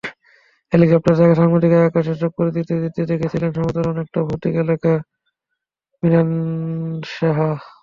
হেলিকপ্টারে থাকা সাংবাদিকেরা আকাশে চক্কর দিতে দিতে দেখছিলেন সমতলের অনেকটা ভৌতিক এলাকা মিরানশাহ।